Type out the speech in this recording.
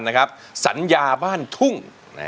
ทืมเธอวิทยาบ้านทุ่ง